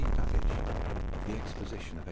BABBAGE, The Exposition of 1851.